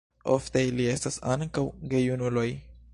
Ofte ili estas ankaŭ gejunuloj.